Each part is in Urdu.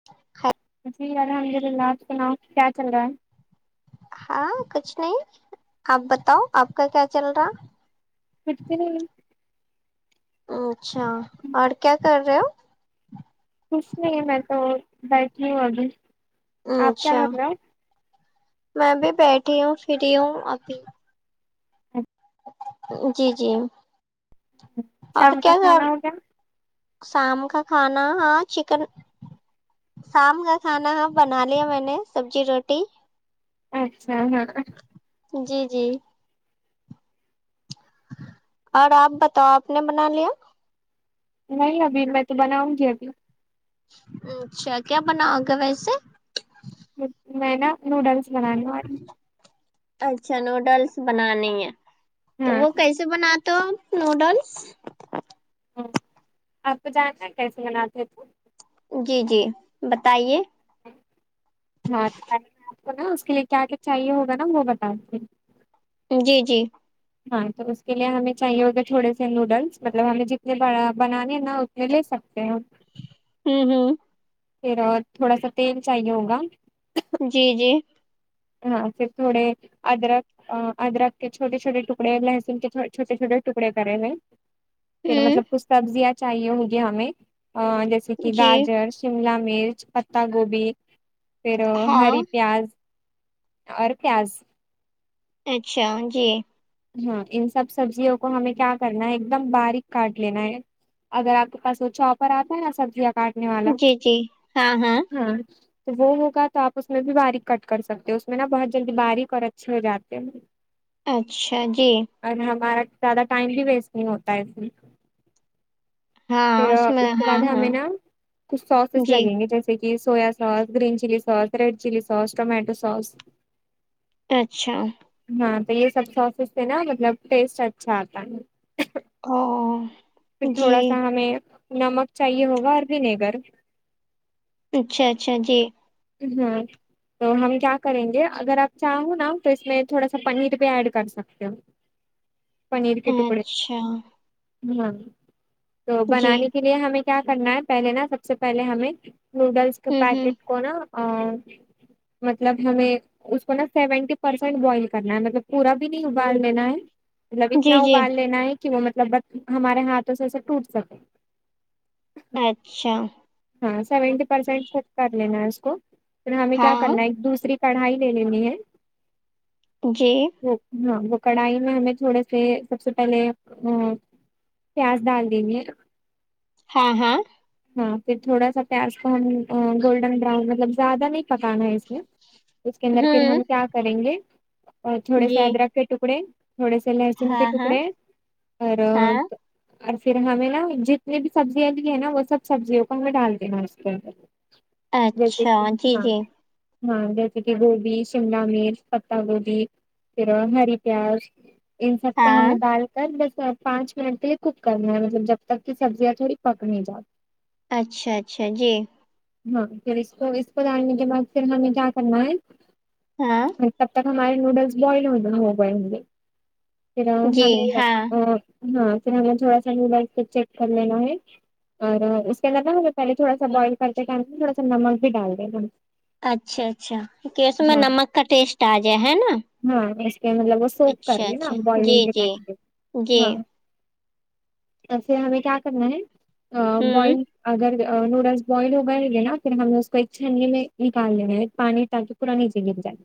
[unintelligible] جی الحمد للہ آپ سناؤ کیا چل رہا ہے ہاں کچھ نہیں آپ بتاؤ آپ کا کیا چل رہا کچھ بھی نہیں اچھا اور کیا کر رہے ہو کچھ نہیں میں تو بیٹھی ہوں ابھی آپ کیا اچھا کر رہے ہو میں بھی بیٹھی ہوں فری ہوں ابھی [unintelligible] جی جی اور شام کا کیا کھانا ہو گیا خ شام کا کھانا ہاں چکن شام کا کھانا ہاں بنا لیا میں نے سبزی روٹی اچھا ہاں جی جی اور آپ بتاؤ آپ نے بنا لیا نہیں ابھی میں تو بناؤں گی ابھی اچھا کیا بناؤ گے ویسے میں نا نوڈلس بنانے والی اچھا نوڈلس بنانی ہے تو ہاں وہ کیسے بناتے ہو آپ نوڈلس ہ آپ کو جاننا کیسے بناتے سو جی جی بتائیے ہاں آپ کو نا اس کے لیے کیا کیا چاہیے ہوگا نا وہ بتا تی جی جی ہاں تو اس کے لیے ہمیں چاہیے ہوگے تھوڑے سے نوڈلس مطلب ہمیں جتنے بنانے ہیں نا اتنے لے سکتے ہیں ہوں ہوں پھر اور تھوڑا سا تیل چاہیے ہوگا جی جی ہاں پھر تھوڑے ادرک ادرک کے چھوٹے چھوٹے ٹکڑے لہسن کے چھوٹے چھوٹے ٹکڑے کرے ہوئے پھر مطلب ہوں کچھ سبزیاں چاہیے ہوںگی ہمیں جیسے کہ جی گاجر شملہ مرچ پتتا گوبھی پھر ہاں ہری پیاز اور پیاز اچھا جی ہاں ان سب سبزیوں کو ہمیں کیا کرنا ہے ایک دم باریک کاٹ لینا ہے اگر آپ کے پاس وہ چاپر آتا ہے نا سبزیاں کاٹنے والا جی جی ہاں ہاں تو وہ ہوگا تو آ اس میں بھی باریک کٹ کر سکتے ہو اس میں نا بہت جلدی باریک اور اچھے ہو جاتے ہیں اچھا جی اور ہمارا زیادہ ٹائم بھی ویسٹ نہیں ہوتا ہے اس میں ہاں پھر میں اس کے ہاں بعد ہاں ہمیں نا کچھ سوسز جی لگیں گے جیسے جیسے کہ soya sauce green chilli sauce red chilli sauce tomato sauce اچھا ہاں تو یہ سب سوسز سے نا مطلب ٹیسٹ اچھا آتا ہے او پھر جی تھوڑا سا ہمیں نمک چاہیے ہوگا اور ونیگر اچھا اچھا جی ہاں تو ہم کیا کریں گے اگر آپ چاہو نا تو اس میں تھوڑا سا پنیر بھی ایڈ کر سکتے ہو پنیر کے ٹکڑے اچھا ہاں تو جی بنانے کی یہ ہمیں کیا کرنا ہے پہلے نا سب سے پہلے ہمیں نوڈلس کے ہوں ہوں پیکٹ کو نا مطلب ہمیں اس کو نا سیونٹی پرسینٹ بوائل کرنا ہے مطلب پورا بھی نہیں ابال لینا ہے مطلب جی اتنا جی ابال لینا ہے کہ وہ مطلب بس ہمارے ہاتھوں سے ایسے ٹوٹ سکے اچھا ہاں سیونٹی پرسینٹ کک کر لینا ہے اس کو پھر ہمیں کیا ہاں کرنا ہے ایک دوسری کڑھائی لے لینی ہے جی وہ ہاں وہ کڑھائی میں ہمیں تھوڑے سے سب سے پہلے پیاز ڈال دیں گے ہاں ہاں ہاں پھر تھوڑا سا پیاز کو ہم گولڈن براؤن مطلب زیادہ نہیں پکانا ہے اس میں اس کے اندر پھر ہوں ہم کیا کریں گے تھوڑے جی سے ادرک کے ٹکڑے تھوڑے سے لہسن ہاں کے ہاں تکڑے اور ہاں اور پھر ہمیں ناں جتنی بھی سبزیاں لی ہیں ناں وہ سب سبزیوں کو ہمیں ڈال دینا اس کے اندر [inaudible] جیسے اچھا کہ جی ہاں جی ہاں جیسے کہ گوبی شملہ مرچ پتا گوبی پھر ہری پیاز ان سب کو ہاں ہمیں دال کر بس پانچ منٹ کے لیے کک کرنا ہے مطلب جب تک کہ سبزیاں تھوڑی پک نہیں جاۓ اچھا اچھا جی ہاں پھر اس کو اس کو ڈالنے کے بعد پھر ہمیں کیا کرنا ہے ہاں تب تک ہمارے نوڈلس بوائل ہو ہو گئے ہوں گے پھر جی ہمیں ہاں ہاں پھر ہمیں تھوڑا سا نوڈلس چیک کرلینا ہے اور اس کے علاوہ ہمیں پہلے تھوڑا سا بوائل کرتے ٹائم تھوڑا سا نمک بھی ڈال دیں گے اچھا اچھا کہ اس میں نمک کا ٹیسٹ آ جائے ہے ناں ہاں اس کے مطلب وہ سوپ کرلیں ناں جی بوائلنگ کے جی ٹائم کے جی ہاں اب ہمیں کیا کرنا ہے ہوں بوائل اگر نوڈلس بوائل ہوگئے ہوگے ناں پھر ہم نے اس کو ایک چھننی میں نکال لیں گے پانی تاکہ پورا نیچے گر جائے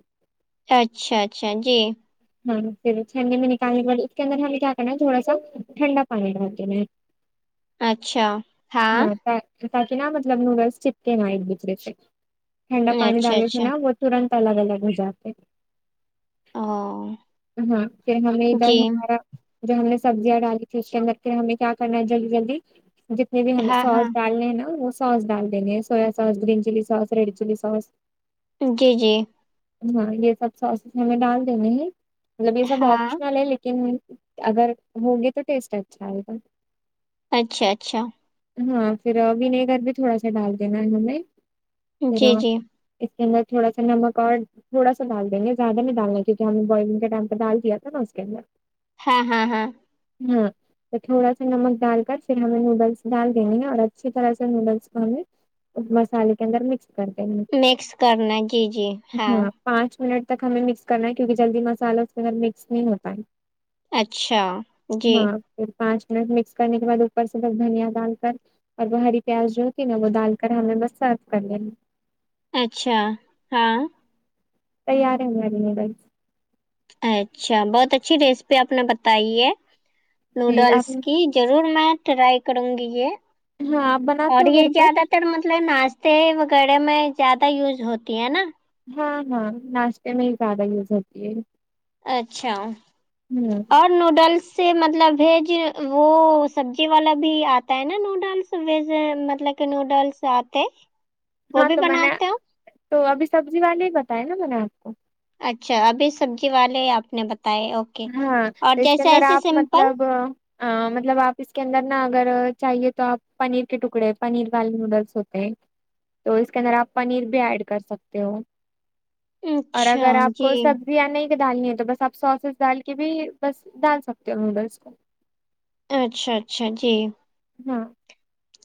اچھا اچھا جی ہاں پھر چھنی میں نکالنے کے بعد اس کے اندر ہمیں کیا کرنا ہے تھوڑا سا ٹھنڈا پانی رکھ دینا ہے [inaudible] اچھا ہاں تاکہ ناں مطلب نوڈلس چپک نہ ایک دوسرے سے ٹھنڈا پانی اچھا ڈالے سے اچھا ناں وہ ترنت الگ الگ ہو جاتے ہاں ہاں پھر ہمیں ادھر ہمارا جو ہم نے سبزیاں ڈالی تھی اس کے اندر پھر ہمیں کیا کرنا ہے جلدی جلدی جت یہ بھی ہمیں ہاں ہاں سوس ڈالنے ہیں ناں وہ سوس ڈال دیں گے soya sauce green chilli sauce red chilli sauce جی جی ہاں یہ سب سوسیز ہمیں ڈال دینے ہیں مطلب یہ سب ہاں آپشنل ہے لیکن اگر ہوگے تو ٹیسٹ اچھا آئے گا اچھا اچھا ہاں پھر ونیگر بھی تھوڑا سا ڈال دینا ہے ہمیں پھر جی جی اس کے اندر تھوڑا سا نمک اور تھوڑا سا ڈال دیں گے زیادہ نہیں ڈالنا کیونکہ ہم بوائلنگ کے ٹائم پہ ڈال دیا تھا ناں اس کے اندر ہاں ہاں ہاں ہوں تو تھوڑا سا نمک ڈال کر پھر ہمیں نوڈلس ڈال دینے ہیں اور اچھی طرح سے نوڈلس کو ہمیں مسالے کے اندر مکس کرتے ہیں مکس کرنا ہے جی جی ہاں پانچ منٹ تک ہمیں مکس کرنا ہے کیونکہ جلدی مسالہ اس کے اند مکس نہیں ہوتا ہے اچھا جی ہاں پھر پانچ منٹ مکس کرنے کے بعد اوپر سے تک دھنیا ڈال کر اور وہ ہری پیاز جو ہوتی نا وہ ڈال کر ہمیں بس سرو کر لینے اچھا ہاں تیار ہے ہمارے نوڈلس اچھا بہت اچھی ریسیپی آپ نے بتائی ہے جی نوڈلس آپ کی ضرور میں ٹرائی کروں گی یہ ہاں آپ بناتے اور ہو یہ گھر پر زیادہ تر مطلب ناشتے وغیرہ میں زیادہ یوز ہوتی ہے نا ہاں ہاں ناشتے میں ہی زیادہ یوز ہوتی ہے اچھا ہ اور نوڈلس سے مطلب ویج وہ سبزی والا بھی آتا ہے نا نوڈلس ویج مطلب نوڈلس آتے وہ ہاں بھی تو میں نے بناتے ہو تو ابھی سبزی والے ہی بتائے نا میں نے آپ کو اچھا ابھی سبزی والے آپ نے بتائے اک ہاں تو اس کے اندر آپ مطلب آں مطلب آپ اس کے اندر نا اگر چاہیے تو آپ پنیر کے ٹکڑے پنیر والے نوڈلس ہوتے ہیں تو اس کے اندر آپ پنیر بھی ایڈ کر سکتے ہو اور اچھا اگر آپ جی کو سبزیاں نہیں ڈالنی ہے تو بس آپ سوسز ڈال کے بھی بس ڈال سکتے ہو نوڈلس کو اچھا اچھا جی ہاں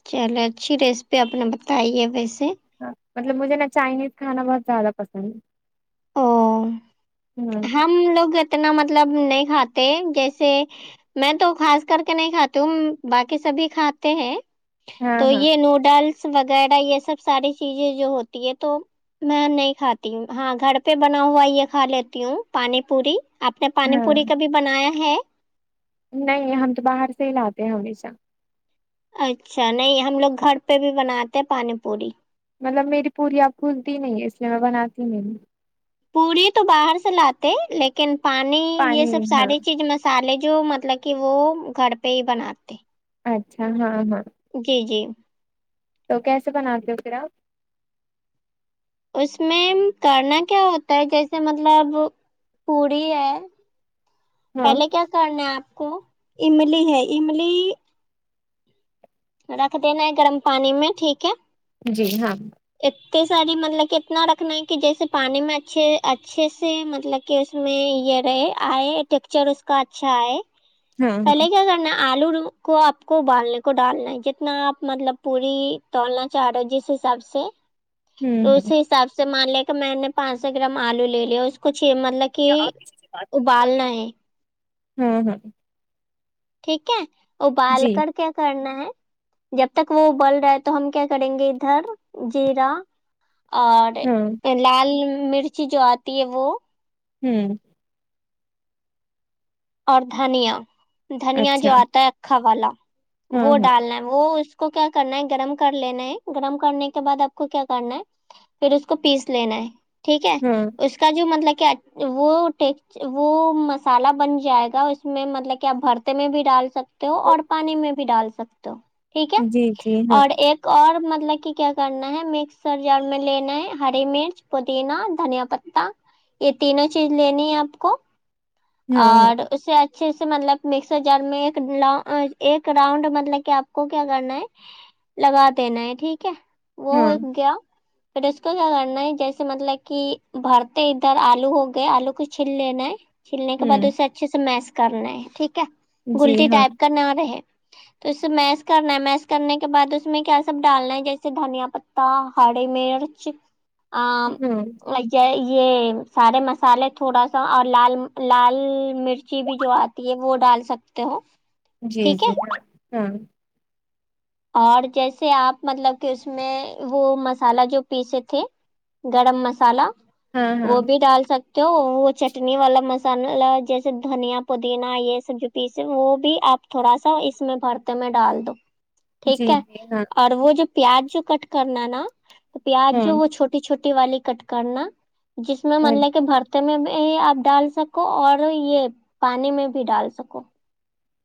چلو اچھی ریسیپی اپنا بتائی ہے ویسے ہ مطلب مجھے نا چائنیز کھانا بہت زیادہ پسند اور ہے ہم لوگ اتنا مطلب نہیں کھاتے جیسے میں تو خاص کر کے نہیں کھاتی ہوں باقی سبھی کھاتے ہیں ہاں تو ہاں یہ نوڈل س وغیرہ یہ سب ساری چیزیں جو ہوتی ہے تو میں نہیں کھاتی ہوں ہاں گھر پہ بنا ہوا یہ کھا لیتی ہوں پانی پوری آپ نے پانی ہاں پوری کبھی بنایا ہے نہیں ہم تو باہر سے ہی لاتے ہیں ہمیشہ اچھا نہیں ہم لوگ گھر پہ بھی بناتے ہیں پانی پوری مطلب میری پوری پھلتی نہیں ہے اس لیے میں بناتی نہیںی پوری تو باہر سے لاتے لیکن پانی یہ پانی سب ہاں ساری چیز مس سالے جو مطلب کہ وہ گھر پہ ہی بناتے اچھا ہاں ہاں جی جی تو کیسے بناتے ہو پھر آپ اس میں کرنا کیا ہوتا ہے جیسے مطلب پوڑی ہے ہاں پہلے کیا کرنا ہے آپ کو املی ہے املی رکھ دینا ہے گرم پانی میں ٹھیک ہے جی ہاں اتنی ساری مطلب کہ اتنا رکھنا ہے کہ جیسے پانی میں اچھے اچھے سے مطلب کہ اس میں یہ رہے آئے ٹیکسچر اس کا اچھا آے ہاں ہاں پہلے کیا کرنا آلو رو کو آپ کو ابالنے کو ڈالنا جتنا آپ مطلب پوری تولنا چاہ رہے ہو جس حساب سے سے ہوں تو ہ اسی حساب سے مان لیں کہ میں نے پانچ سو گرام آلو لے لیا اس کو چ مطلب کہ کیا آپ کسی سے بات کرنا چاہتے ابالنا ہیں ہے ہاں ہاں ٹھیک ہے ابال جی کر کیا کرنا ہے جب تک وہ ابل رہا ہے تو ہم کیا کریں گے ادھر جیرا اور ہاں لال مرچی جو آتی ہے وہ ہم اور دھنیا دھنیا جو اچھا اتا ہے کھا والا ہاں وہ ہاں ڈالنا وہ اس کو کیا کرنا ہے گرم کر لینا ہے گرم کرنے کے بعد اپ کو کیا کرنا ہے پھر اس کو پیس لینا ہے ٹھیک ہے ہاں اس کا جو مطلب کہ وہ [unintelligible] ٹ وہ مسالہ بن جائے گا اس میں مطلب کہ اپ بھرتے میں بھی ڈال سکتے ہو اور پانی میں بھی ڈال سکتے ہو ٹھیک ہے جی جی ہاں اور ایک اور مطلب کہ کیا کرنا ہے مکسر جار میں لینا ہے ہری مرچ پودینا دھنیا پت تا یہ تینوں چیز لینی ہے اپ کو ہاں ہاں اور اس سے اچھے سے مطلب مکسر جار میں ایک راؤنڈ مطلب کہ اپ کو کیا کرنا ہے لگا دینا ہے ٹھیک ہے وہ ہاں ہو گیا پھر اس کو کیا کرنا ہے جیسے مطلب کہ بھرتے ادھر الو ہو گیا الو کو چھیل لینا ہے چھلنے کے بعد ہوں اسے اچھے سے میش کرنا ہے ٹھیک ہے جی گلٹی ہاں ٹائپ کا نہ رہے تو اسے میش کرنا ہے میش کرنے کے بعد اس میں کیا ساب لپڈالنا ہے جیسے دھنیا پ ت ہاڑے میرر چ ہاں ا یہ یہ سارے مسالے تھوڑا سا اور لال لال مرچی بھی جو اتی ہے وہ ڈال سکتے ہو جی ٹھیک ہے جی ہم اور جیسے اپ مطلب کس میں وہ مسالہ جو پیسے تھے گرم مسالہ ہاں ہاں وہ بھی ڈال سک تو وہ چٹنی والا مسالہ جیسے دھنیا پودینا یہ سب جو پیسے وہ بھی اپ تھوڑا سا اس میں بھرتے میں ڈال دو ٹھیک جی ہے جی ہاں اور وہ جو پیاز جو کٹ کرنا نا پیاز ہاں وہ چھو چھوٹی چھٹی والی کٹ کرنا جس میں من ل کہ بھر میں اپ ڈال سکو اور یہ پانی میں بھی ڈال سکو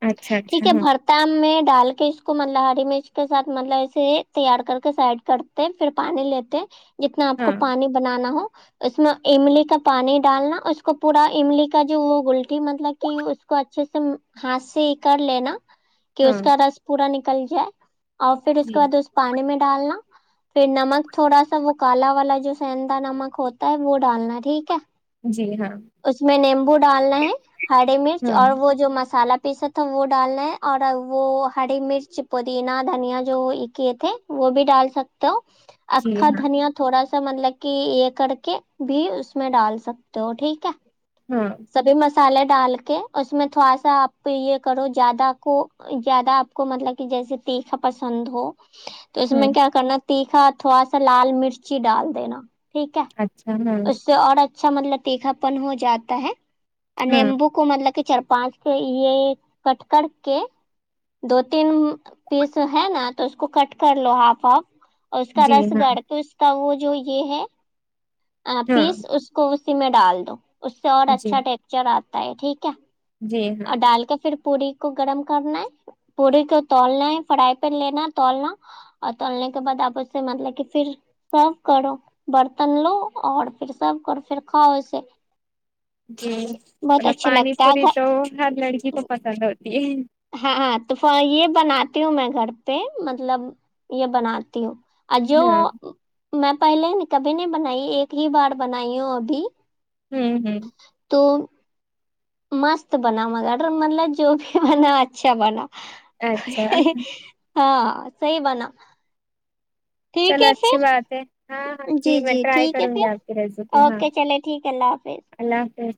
اچھا اچھا ٹھیک ہے ہاں بر بتام میں ڈال کے اس کو مطلب ہری مرچ کے ساتھ مطلب اسے تیار کر کے سائڈ کر پھر پانی لیتے ہیں جتنا اپ ہاں کو پانی بنانا ہو اس میں املی کا پانی ڈالنا اس کو پورا املی کا جو وہ گلٹی مطلب کہ اس اس کو اچھے سے ہاس کر لینا کہ اس ہاں کا رس پورا نکل جائے اور پھر اس جی کا دس پانی میں ڈالنا پھر نمک تھوڑا سا وہ کالا والا جو سندا نمک ہوتا ہے وہ ڈالنا ہے ٹھیک ہے جی ہاں اس میں نیمبو ڈالنا ہے ہری مرچ ہاں اور وہ جو مسالہ پیستا تو وہ ڈالنا ہے اور وہ ہری مرچ پودینہ دھنیا جو کیے تھے وہ بھی ڈال سک تو جی اکھا ہاں دھنیہ تھوڑا سا مطلب کہ یہ کر کے بھی اس میں ڈال سکتے ہو ٹھیک ہے ہم سبھی مسالے ڈال کے اس میں تھوڑا سا اپ یہ کرو زیادہ کو زیادہ اپ کو مطلب کہ جیسے تیکھا پسند ہو تو اس ہاں میں کیا کرنا تیکھا تھوڑا سا لال مرچی ڈال دینا ٹھیک ہے اچھا ہاں اس سے اور اچھا مطلب تیکھا پن ہو جاتا ہے اور ہاں نیمبو کو مطلب کہ چار پانچ یہ کٹ کر کے دو تین پیس ہے نا تو اس کو کٹ کر لو ہاف ہاف اور اس کا جی رس ہاں گڑھ تو اس کا وہ جو یہ ہے ہاں اپس اس اس کو اسی میں ڈال دو اس سے اور جی اچھا ٹیکسچر اتا ہے ٹھیک ہے جی ہاں اور ڈال کے پھر پوری کو گرم کرنا ہے پوری کو تولنا ہے فرائی پین لینا تولنا اور تولنے کے بعد اپ اس سے مطلب کہ پھر سرب کرو برتن لو اور پھر سرب کرو پھر کھاؤ اسے جی بہت مطلب اچھا پانی لگتا ہے پوری گھر تو ہر لڑکی کو پسند ہوتی ہے ہاں ہاں تو یہ بناتی ہوں میں گھر پہ مطلب یہ بناتی ہوں جو ہاں میں پہلے کبھی نہیں بنائی ایک ہی بار بنائی ہوں ابھی ہوں ہوں تو مست بنا مگر مطلب جو بھی بنا اچھا بنا اچھا ہاں صحیح بنا ٹھیک چلو ہے پھر اچھی بات ہے ہاں ہاں جی میں ٹرائی ٹھیک ہے کروں پھر گی آپ کی ریسیپی ہاں اوکے چلے ٹھیک ہے اللہ حافظ اللہ حافظ